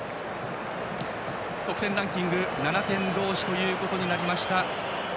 得点ランキング７点同士となりました。